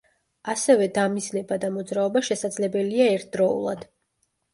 ასევე დამიზნება და მოძრაობა შესაძლებელია ერთდროულად.